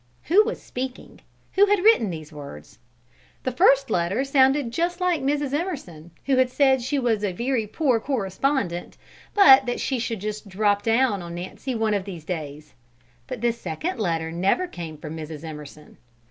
Who was speaking? Who had written these words? The first letter sounded just like Mrs. Emerson, who had said she was a very poor correspondent, but that she should just "drop down" on Nancy one of these days; but this second letter never came from Mrs. Emerson.